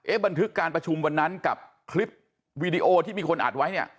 บันทึกการประชุมวันนั้นกับคลิปวีดีโอที่มีคนอัดไว้เนี่ย